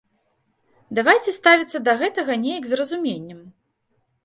Давайце ставіцца да гэтага неяк з разуменнем.